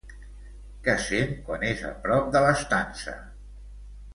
Què sent quan és a prop de l'estança?